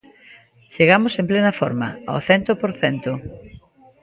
Chegamos en plena forma, ao cento por cento.